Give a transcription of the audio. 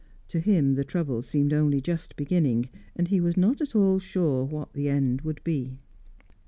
To him, the trouble seemed only just beginning, and he was not at all sure what the end would be.